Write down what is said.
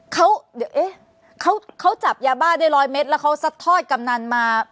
เขาเดี๋ยวเอ๊ะเขาจับยาบ้าได้ร้อยเม็ดแล้วเขาซัดทอดกำนันมา